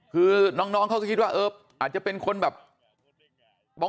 คือน้องเขาก็คิดว่าเอออาจจะเป็นคนแบบบอก